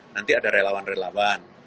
nanti ada relawan relawan